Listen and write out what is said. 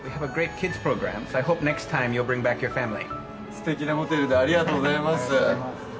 すてきなホテルでありがとうございます